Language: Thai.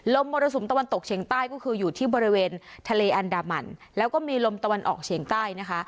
มรสุมตะวันตกเฉียงใต้ก็คืออยู่ที่บริเวณทะเลอันดามันแล้วก็มีลมตะวันออกเฉียงใต้นะคะ